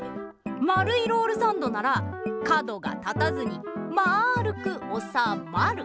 まるいロールサンドなら角が立たずにまるくおさまる。